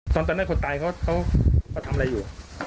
ตอนตอนนั้นคนตายเขาทำอะไรอยู่